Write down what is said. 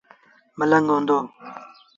ملنگ هئندو۔